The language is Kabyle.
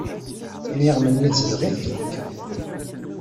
Iniɣem-nni tezdeɣ-it twekka.